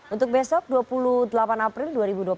untuk besok dua puluh delapan april dua ribu dua puluh tiga